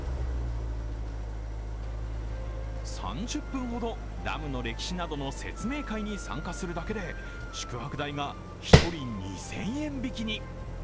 ３０分ほど、ダムの歴史などの説明会に参加するだけで宿泊代が１人２０００円引きに。